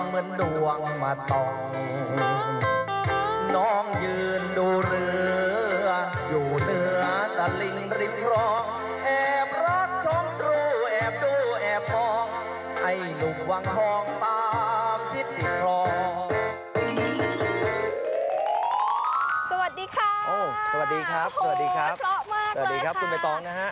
สวัสดีค่ะสวัสดีครับสวัสดีครับเพราะมากสวัสดีครับคุณใบตองนะฮะ